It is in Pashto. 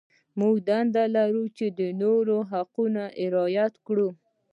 موږ دنده لرو چې د نورو حقوق رعایت کړو.